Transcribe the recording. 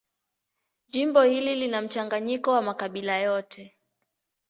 Jimbo hili lina mchanganyiko wa makabila yote.